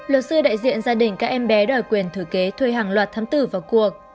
luật sư đại diện gia đình các em bé đòi quyền thử kế thuê hàng loạt thấm tử vào cuộc